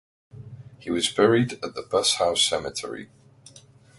He was buried at Bus House Cemetery.